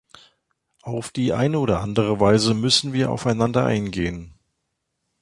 Auf die eine oder andere Weise müssen wir aufeinander eingehen.